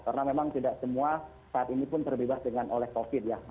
karena memang tidak semua saat ini pun terlibat dengan oleh covid ya